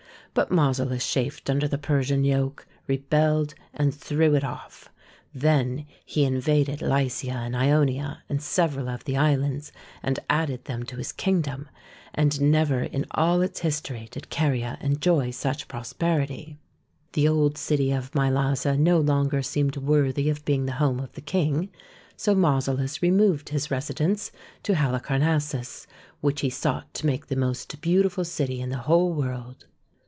But Mausolus chafed under the Persian yoke, rebelled, and threw it off. Then he invaded Lycia and Ionia and several of the islands and added them to his kingdom, and never in all its history did Caria enjoy such prosperity. The i 3 2 THE SEVEN WONDERS old city of Mylasa no longer seemed worthy of being the home of the King, so Mausolus removed his residence to Halicarnassus, which he sought to make the most beautiful city in the whole world.